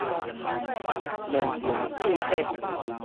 兩爿喙䫌